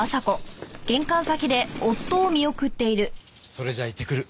それじゃあ行ってくる。